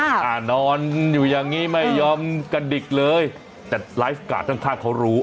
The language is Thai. อ่านอนอยู่อย่างงี้ไม่ยอมกระดิกเลยแต่ไลฟ์การ์ดข้างข้างเขารู้